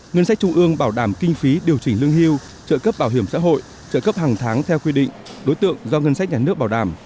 ngân sách trung ương bảo đảm kinh phí điều chỉnh lương hưu trợ cấp bảo hiểm xã hội trợ cấp hàng tháng theo quy định đối tượng do ngân sách nhà nước bảo đảm